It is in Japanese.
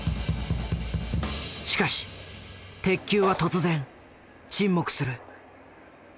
しかし鉄球は突然沈黙する。